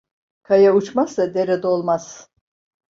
Kaya uçmazsa dere dolmaz.